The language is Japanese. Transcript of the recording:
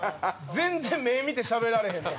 全然目見てしゃべられへんとか。